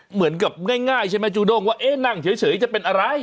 เหมือนกับง่ายใช่ไหมจูด้งว่าเอ๊ะนั่งเฉยจะเป็นอะไร